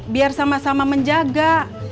biar sama sama menjaga